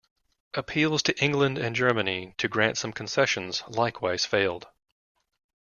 Appeals to England and Germany to grant some concessions likewise failed.